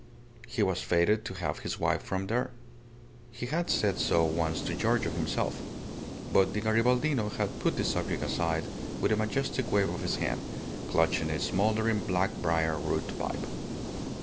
He was fated to have his wife from there. He had said so once to Giorgio himself. But the Garibaldino had put the subject aside with a majestic wave of his hand, clutching a smouldering black briar root pipe.